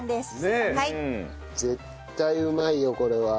絶対うまいよこれは。